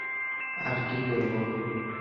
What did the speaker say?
আর কী করব?